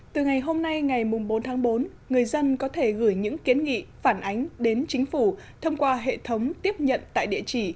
từ ngày hôm nay ngày bốn tháng bốn người dân có thể gửi những kiến nghị phản ánh đến chính phủ thông qua hệ thống tiếp nhận tại địa chỉ